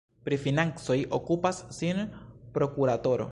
Pri financoj okupas sin prokuratoro.